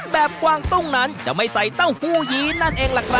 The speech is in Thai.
กวางตุ้งนั้นจะไม่ใส่เต้าหู้ยีนั่นเองล่ะครับ